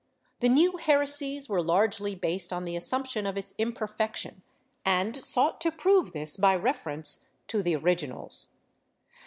The new heresies were largely based on the assumption of its imperfection, and sought to prove this by reference to the originals.